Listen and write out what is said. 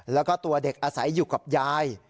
แล้วก็ตัวเด็กอาศัยอยู่กับยาย